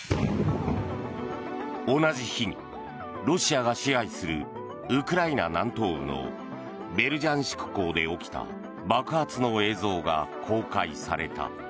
同じ日に、ロシアが支配するウクライナ南東部のベルジャンシク港で起きた爆発の映像が公開された。